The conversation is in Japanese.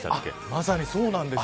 まさにそうなんですよ。